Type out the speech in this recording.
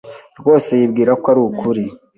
rwose yibwira ko arukuri.